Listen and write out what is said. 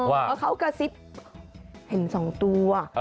เพราะเขากระซิบเห็น๒ตัว